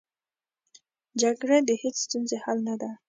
جګړه د هېڅ ستونزې حل نه ده